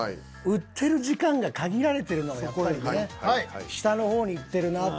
売ってる時間が限られてるのはやっぱりね下の方にいってるなって。